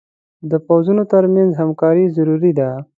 د پوځونو تر منځ همکاري ضروري ده.